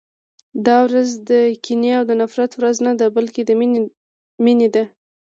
دا ورځ د کینې او د نفرت ورځ نه ده، بلکې د مینې ده.